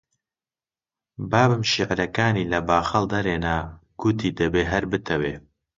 بابم شیعرەکانی لە باخەڵ دەرێنا، گوتی: دەبێ هەر بتەوێ